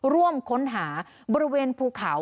ร่วมค้นหาบริเวณภูเขา